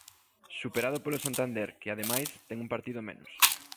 Superado polo Santander, que, ademais, ten un partido menos.